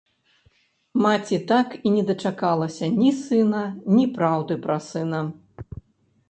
Маці так і не дачакалася ні сына, ні праўды пра сына.